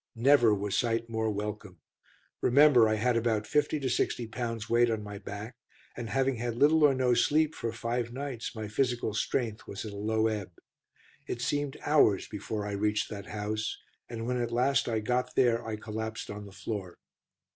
Never was sight more welcome. Remember, I had about fifty to sixty pounds weight on my back, and having had little or no sleep for five nights my physical strength was at a low ebb. It seemed hours before I reached that house, and when at last I got there I collapsed on the floor.